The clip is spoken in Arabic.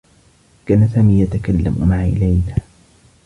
كان سامي يتكلّم مع ليلى.